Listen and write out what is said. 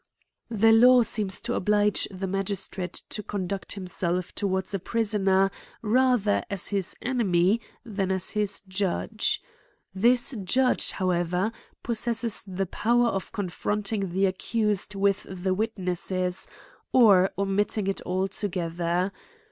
The law seems to oblige tlie magistrate to con duct himself towards a prisoner, rather as his enemy, than as his judge. This judge, how ever, possesses the power of confronting the ac cused with the witnesses, or omitting it altoge ther*.